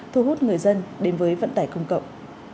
thu hút người dân đến với vận tải công cộng